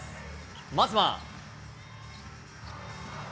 まずは。